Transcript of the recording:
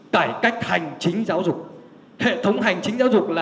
cải cách hành chính giáo dục